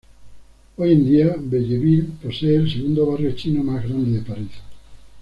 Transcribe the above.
Hoy en día, Belleville posee el segundo barrio chino más grande de París.